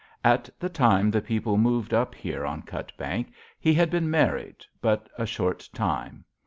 At the time the people moved up here on Cutbank, he had been married but a short time.